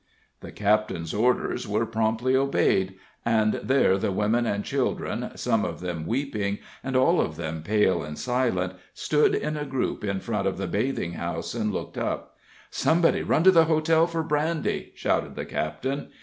The captain's orders were promptly obeyed, and there the women and children, some of them weeping, and all of them pale and silent, stood in a group in front of the bathing house and looked up. "Somebody run to the hotel for brandy," shouted the captain.